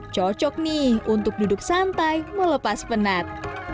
cocok nih untuk duduk santai melepas penat